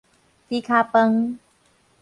豬跤飯